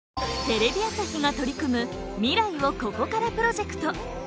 テレビ朝日が取り組む未来をここからプロジェクト